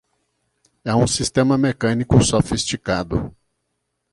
É um sistema mecânico sofisticado!